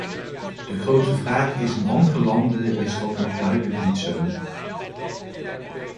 De grote vraag is in andere landen is dat nog duidelijk niet zo.